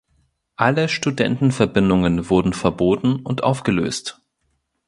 Alle Studentenverbindungen wurden verboten und aufgelöst.